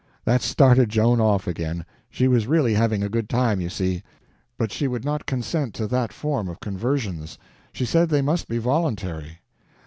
That started Joan off again; she was really having a good time, you see. But she would not consent to that form of conversions. She said they must be voluntary.